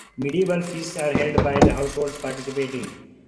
Medieval feasts are held by the households participating.